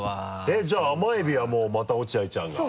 えっじゃあ甘エビはもうまた落合ちゃんが？